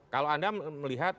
kalau anda melihat